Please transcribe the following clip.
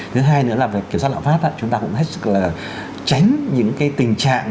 thứ hai nữa là về kiểm soát lạm phát chúng ta cũng hết sức là tránh những cái tình trạng